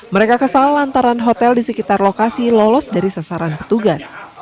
mereka kesal lantaran hotel di sekitar lokasi lolos dari sasaran petugas